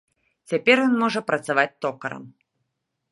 Цяпер ён можа працаваць токарам.